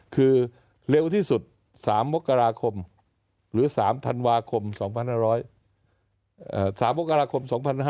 คือเร็วที่สุด๓มกราคมหรือ๓ธันวาคม๒๕๖๑